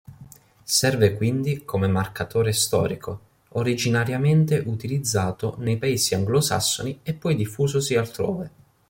Serve quindi come marcatore storico, originariamente utilizzato nei paesi anglosassoni e poi diffusosi altrove.